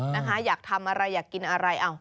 นะคะอยากทำอะไรอยากกินอะไร